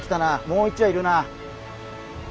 もう一羽いるな。